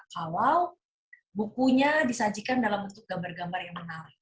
kalau bukunya disajikan dalam bentuk gambar gambar yang menarik